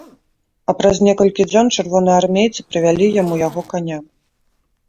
А праз некалькі дзён чырвонаармейцы прывялі яму яго каня.